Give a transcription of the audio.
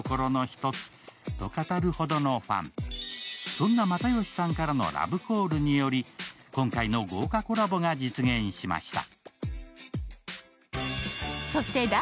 そんな又吉さんからのラブコールにより、今回の豪華コラボが実現しました。